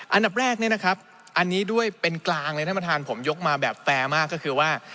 อันดับแรกเนี่ยนะครับอันนี้ด้วยเป็นกลางเลยท่านประธานผมยกมาแบบแฟร์มากก็คือว่า